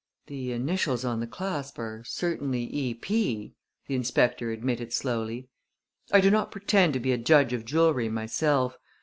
"The initials on the clasp are certainly E.P.," the inspector admitted slowly. "I do not pretend to be a judge of jewelry myself.